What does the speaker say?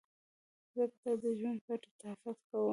ځکه دا ژوندون په لطافت کوم